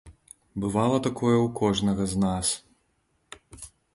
Бывала такое ў кожнага з нас.